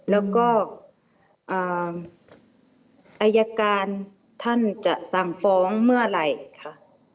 แล้วก็อายการท่านจะสั่งฟ้องเมื่อไหร่ค่ะ